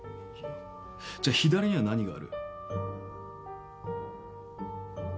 じゃあ左には何がある？